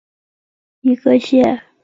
沃伦县是美国乔治亚州东部的一个县。